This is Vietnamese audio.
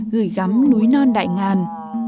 gửi gắm núi non đại ngàn